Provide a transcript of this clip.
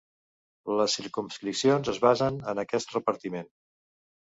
Les circumscripcions es basen en aquest repartiment.